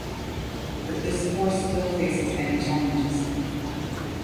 But this force still faces many challenges.